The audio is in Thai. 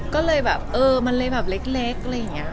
ก็เลยแบบเออมันเลยแบบเล็กอะไรอย่างนี้